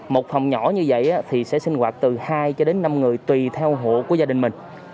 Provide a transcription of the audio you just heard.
một phòng nhỏ như vậy thì sẽ sinh hoạt từ hai cho đến năm người tùy theo hộ của gia đình mình